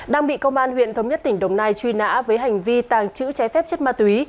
đang bị công an huyện thống nhất tỉnh đồng nai truy nã với hành vi tàng trữ trái phép chất ma túy